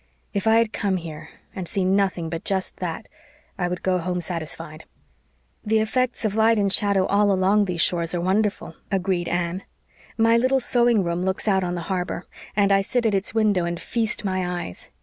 "If I had come here and seen nothing but just that I would go home satisfied." "The effects of light and shadow all along these shores are wonderful," agreed Anne. "My little sewing room looks out on the harbor, and I sit at its window and feast my eyes.